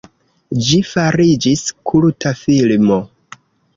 Ĝi fariĝis kulta filmo.